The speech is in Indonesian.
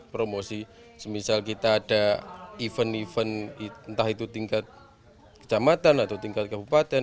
promosi semisal kita ada event event entah itu tingkat kecamatan atau tingkat kabupaten